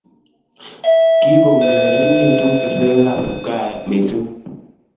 Kikongeringitu keswekab kipkaa missing